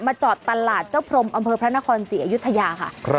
จอดตลาดเจ้าพรมอำเภอพระนครศรีอยุธยาค่ะ